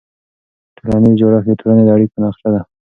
ټولنیز جوړښت د ټولنې د اړیکو نقشه ده.